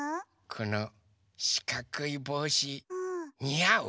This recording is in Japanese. このしかくいぼうしにあう？